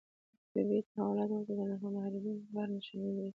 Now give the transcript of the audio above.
طبیعي تحولات ورته د نه مهارېدونکي قهر نښانې برېښي.